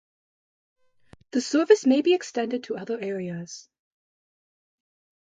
The service may be extended to other areas.